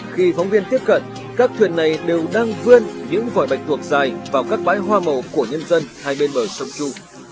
khi phóng viên tiếp cận các thuyền này đều đang vươn những vòi bạch tuộc dài vào các bãi hoa màu của nhân dân hai bên bờ sông chu